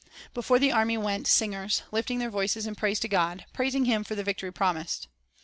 3 Before the army went singers, lifting their voices in praise to God, — praising Him for the victory promised.